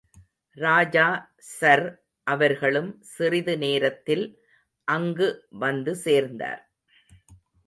ராஜா sir அவர்களும் சிறிது நேரத்தில் அங்கு வந்து சேர்ந்தார்.